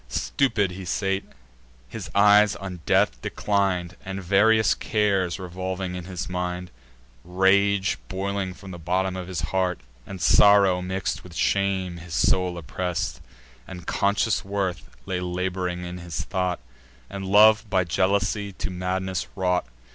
Stupid he sate, his eyes on earth declin'd, And various cares revolving in his mind: Rage, boiling from the bottom of his breast, And sorrow mix'd with shame, his soul oppress'd; And conscious worth lay lab'ring in his thought, And love by jealousy to madness wrought.